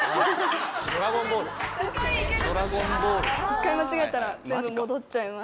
１回間違えたら全部戻っちゃいますので。